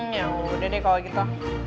ya udah deh kalau gitu